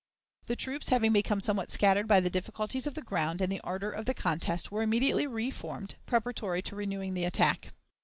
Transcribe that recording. The troops, having become somewhat scattered by the difficulties of the ground and the ardor of the contest, were immediately reformed, preparatory to renewing the attack.